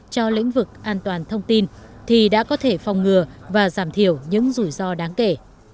cho lĩnh vực an toàn thông tin thì đã có thể phòng ngừa và giảm thiểu những rủi ro đáng kể